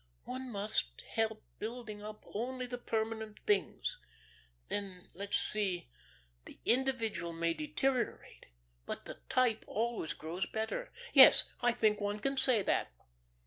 One must help building up only the permanent things. Then, let's see, the individual may deteriorate, but the type always grows better.... Yes, I think one can say that."